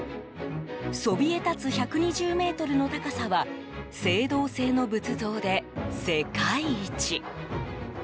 そびえ立つ１２０ｍの高さは青銅製の仏像で世界一。